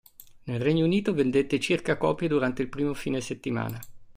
Nel Regno Unito vendette circa copie durante il primo fine settimana.